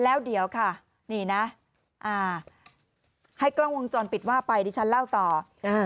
แล้วเดี๋ยวค่ะนี่นะอ่าให้กล้องวงจรปิดว่าไปดิฉันเล่าต่ออ่า